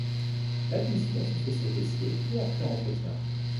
L'admission se fait sur dossier et après entretien.